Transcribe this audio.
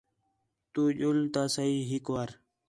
تُو ڄُل تا سہی ہِک وار